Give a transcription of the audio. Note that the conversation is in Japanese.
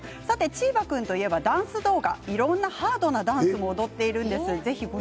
チーバくんといえばダンス動画いろいろハードなダンスも踊っているんです。